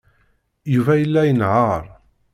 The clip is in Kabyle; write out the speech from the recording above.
Yuba yella inehheṛ.